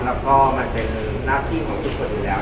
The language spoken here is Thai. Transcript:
แล้วก็มันเป็นหน้าที่ของทุกคนอยู่แล้ว